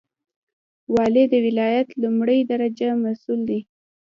والی د ولایت لومړی درجه مسوول دی